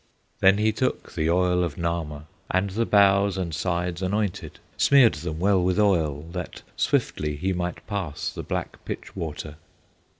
Then he took the oil of Nahma, And the bows and sides anointed, Smeared them well with oil, that swiftly He might pass the black pitch water.